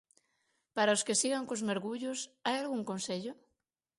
Para os que sigan cos mergullos, hai algún consello?